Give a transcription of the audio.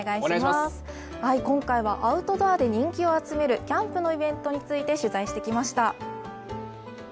今回はアウトドアで人気を集めるキャンプのイベントについて取材してきました。